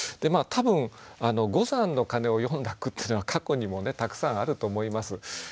多分五山の鐘を詠んだ句っていうのは過去にもたくさんあると思います。